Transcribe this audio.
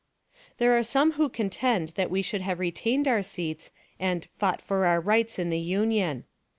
There are some who contend that we should have retained our seats and "fought for our rights in the Union."